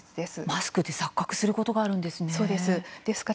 マスクで錯覚することがあるんですね。